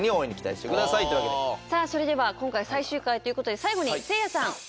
さあそれでは今回最終回ということで最後にせいやさん